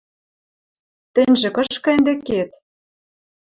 Тӹньжӹ кышкы ӹнде кет?..»